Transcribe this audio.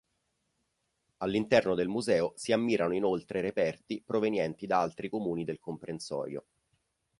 All'interno del museo si ammirano inoltre reperti provenienti da altri comuni del comprensorio.